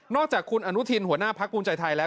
จากคุณอนุทินหัวหน้าพักภูมิใจไทยแล้ว